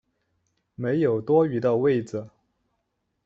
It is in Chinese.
没有多余的位子